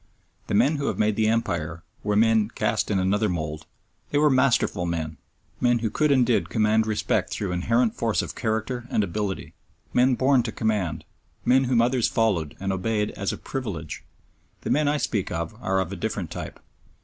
The men who have made the Empire were men cast in another mould. They were masterful men; men who could and did command respect through inherent force of character and ability; men born to command; men whom others followed and obeyed as a privilege. The men I speak of are of a different type.